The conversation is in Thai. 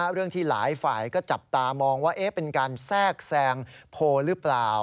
เรื่องที่หลายฝ่ายก็จับตามองว่าเป็นการแทรกแซงโพลหรือเปล่า